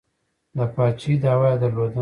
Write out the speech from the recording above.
د پاچهي دعوه یې درلوده.